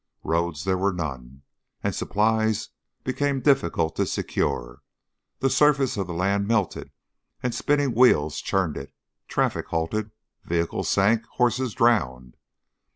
Roads there were none, and supplies became difficult to secure. The surface of the land melted and spinning wheels churned it; traffic halted, vehicles sank, horses drowned.